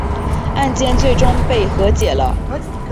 案件最终被和解了。